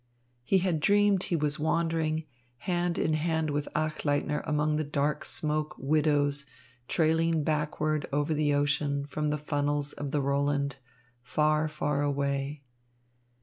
He had dreamed he was wandering hand in hand with Achleitner among the dark smoke widows trailing backward over the ocean from the funnels of the Roland, far, far away.